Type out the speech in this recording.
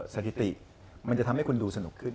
สถิติมันจะทำให้คุณดูสนุกขึ้น